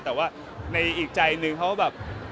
แต่ว่าในอีกใจหนึ่งเขาแบบ